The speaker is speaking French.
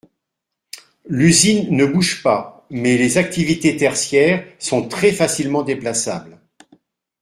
L’usine ne bouge pas mais les activités tertiaires sont très facilement déplaçables.